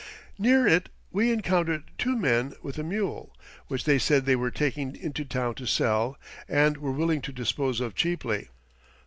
Near it we encountered two men with a mule, which they said they were taking into town to sell and were willing to dispose of cheaply.